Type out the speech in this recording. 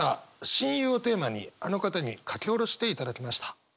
「親友」をテーマにあの方に書き下ろしていただきました。